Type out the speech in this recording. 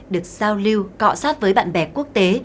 được giao lưu cọ sát với bạn bè quốc tế